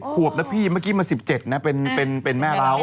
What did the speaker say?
ขวบนะพี่เมื่อกี้มา๑๗นะเป็นแม่เล้า